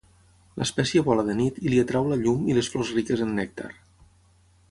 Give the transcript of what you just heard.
L'espècie vola de nit i li atrau la llum i les flors riques en nèctar.